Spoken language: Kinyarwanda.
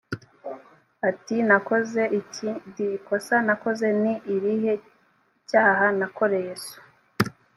ati nakoze iki d ikosa nakoze ni irihe icyaha nakoreye so